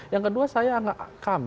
yang kedua kami dari peguat hukum